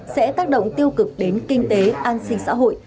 sẽ tác động tiêu cực đến kinh tế an sinh xã hội